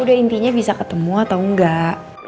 udah intinya bisa ketemu atau enggak